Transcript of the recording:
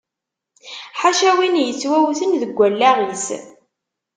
Ḥaca win yettwawten deg allaɣ-is.